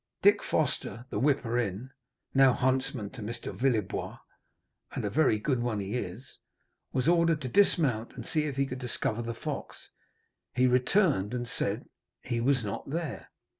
Dick Foster, the whipper in, now huntsman to Mr. Villebois (and a very good one he is), was ordered to dismount and see if he could discover the fox; he returned and said he was not there.'